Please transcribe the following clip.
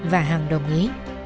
và hằng đồng ý